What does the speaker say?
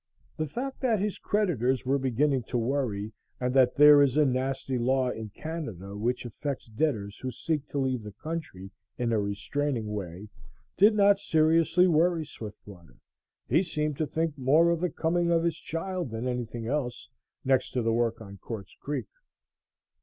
The fact that his creditors were beginning to worry, and that there is a nasty law in Canada which affects debtors who seek to leave the country in a restraining way, did not seriously worry Swiftwater. He seemed to think more of the coming of his child than anything else, next to the work on Quartz Creek.